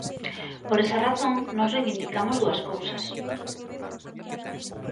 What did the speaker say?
Por esa razón nós reivindicamos dúas cousas.